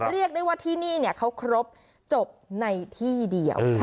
เรียกได้ว่าที่นี่เขาครบจบในที่เดียว